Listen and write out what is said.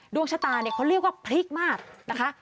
ดวงชะตาเนี่ยเขาเรียกว่าพริกมากนะคะ